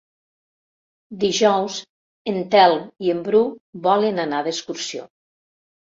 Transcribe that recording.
Dijous en Telm i en Bru volen anar d'excursió.